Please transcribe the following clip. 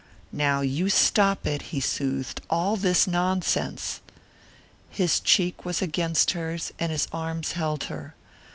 "Now you stop it," he soothed "all this nonsense!" His cheek was against hers and his arms held her.